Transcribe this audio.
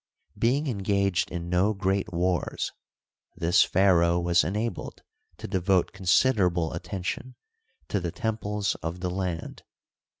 Being engaged in no great wars, this pharaoh was en abled to devote considerable attention to tlie temples of the land.